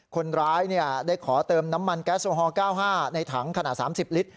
คนร้ายเนี่ยได้ขอเติมน้ำมันแก๊สโอฮอล์เก้าห้าในถังขณะสามสิบลิตร